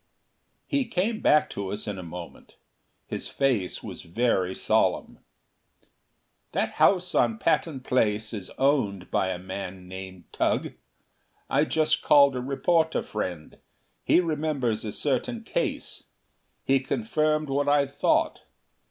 He came back to us in a moment: his face was very solemn. "That house on Patton Place is owned by a man named Tugh! I just called a reporter friend; he remembers a certain case: he confirmed what I thought.